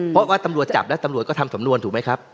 เพราะว่าตำรวจจับแล้วตำรวจก็ทำสำนวนถูกไหมครับ